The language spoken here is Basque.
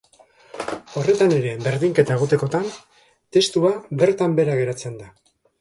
Horretan ere berdinketa egotekotan, testua bertan behera geratzen da.